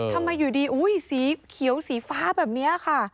ทำไมอยู่ดีสีเขียวสีฟ้าแบบนี้ค่ะ